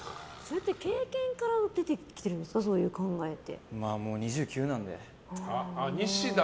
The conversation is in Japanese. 経験から出てきているんですかそういう考えって。